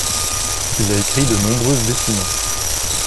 Il a écrit de nombreuses decimas.